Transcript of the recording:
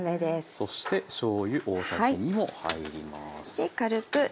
そしてしょうゆ大さじ２も入ります。